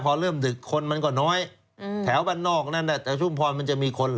พอเริ่มดึกคนมันก็น้อยแถวบ้านนอกนั้นแถวชุมพรมันจะมีคนเห